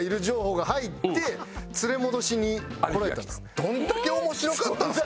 どんだけ面白かったんですか。